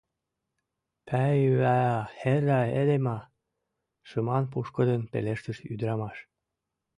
— Пӓйвӓӓ, херра Ерема! — шыман-пушкыдын пелештыш ӱдырамаш.